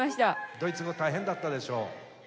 ドイツ語大変だったでしょ？